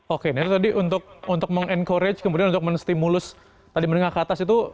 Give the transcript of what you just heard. oke ini tadi untuk meng encourage kemudian untuk menstimulus tadi menengah ke atas itu